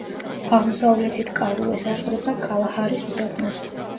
აღმოსავლეთით კარუ ესაზღვრება კალაჰარის უდაბნოს.